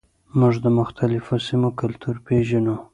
موږ د مختلفو سیمو کلتور پیژنو.